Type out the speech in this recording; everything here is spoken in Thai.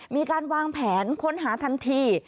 มีการวางแผนค้นหาทันที